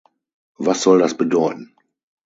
Was soll das bedeuten?